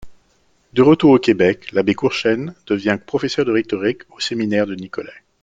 De retour au Québec, l'abbé Courchesne devient professeur de rhétorique au Séminaire de Nicolet.